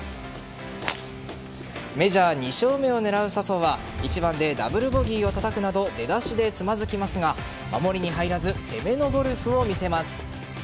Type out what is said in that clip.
メジャー２勝目を狙う笹生は１番でダブルボギーをたたくなど出だしでつまずきますが守りに入らず攻めのゴルフを見せます。